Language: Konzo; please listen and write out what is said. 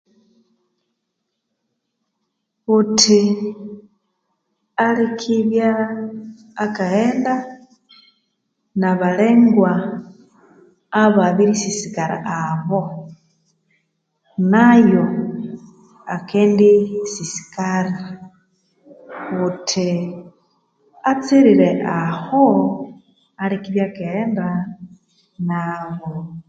Ghuthi aleke bya akaghenda nabalengwa ababirisisikara abo nayo akendi sisikara ghuthi atsirire ahoo alebya akaghenda naboo